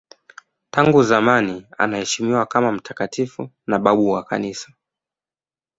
Tangu zamani anaheshimiwa kama mtakatifu na babu wa Kanisa.